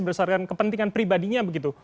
berdasarkan kepentingan pribadinya begitu